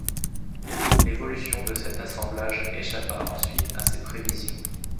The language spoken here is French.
L'évolution de cet assemblage échappa ensuite à ses prévisions.